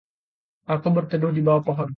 aku berteduh di bawah pohon